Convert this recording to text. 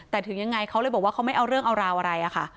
แต่ถึงยังไงเขาเลยบอกว่าเขาไม่เอาเรื่องเอาราวอะไรอะค่ะ